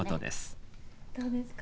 どうですか？